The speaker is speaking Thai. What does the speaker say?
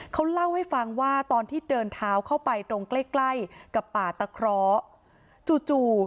เขาเล่าให้ฟังว่าตอนที่เดินเท้าเข้าไปตรงใกล้ใกล้กับป่าตะเคราะห์จู่จู่